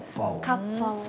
かっぱを。